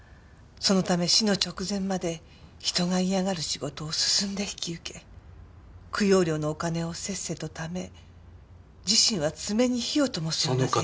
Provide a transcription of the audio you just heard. そのため死の直前まで人が嫌がる仕事を進んで引き受け供養料のお金をせっせと貯め自身は爪に火をともすような生活を。